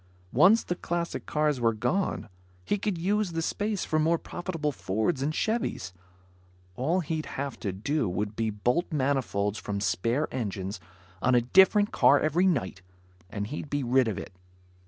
Once the classic cars were gone, he could use the space for more profitable Fords and Chevys. All he'd have to do would be bolt manifolds from spare engines on a different car every night, and he'd be rid of it.